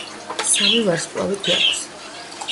სამი ვარსკვლავი გვაქვს.